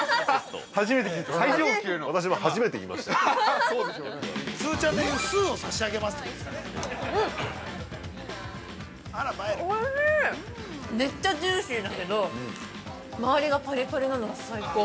めっちゃジューシーだけど、周りがパリパリなのが最高。